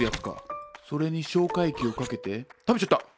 それに消化液をかけて食べちゃった。